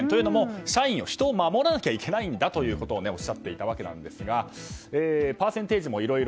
社員を守らなきゃいけないとおっしゃっていたんですがパーセンテージもいろいろ。